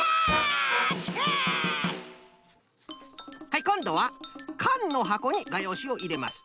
はいこんどはかんのはこにがようしをいれます。